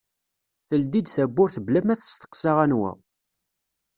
Teldi-d tawwurt bla ma testeqsa anwa.